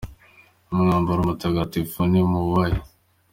Umwambaro mutagatifu nimuwubahe.